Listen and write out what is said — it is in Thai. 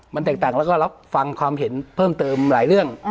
มันแตกต่างแล้วก็รับฟังความเห็นเพิ่มเติมหลายเรื่อง